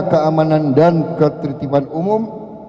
keamanan dan ketertiban umum